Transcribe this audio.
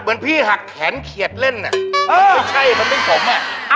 เหมือนพี่หักแขนเขียดเล่นน่ะเออไม่ใช่มันเป็นผมน่ะ